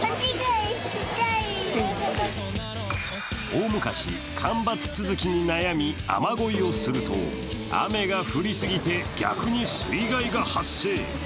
大昔、干ばつ続きに悩み、雨乞いをすると雨が降りすぎて逆に水害が発生。